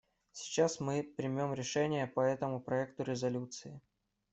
Сейчас мы примем решение по этому проекту резолюции.